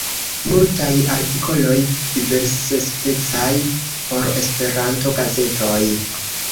Multaj artikoloj diversspecaj por Esperanto-gazetoj.